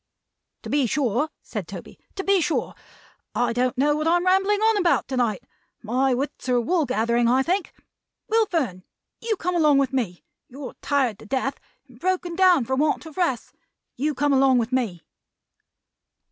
"To be sure," said Toby. "To be sure! I don't know what I am rambling on about, to night. My wits are wool gathering, I think. Will Fern, you come along with me. You're tired to death, and broken down for want of rest. You come along with me."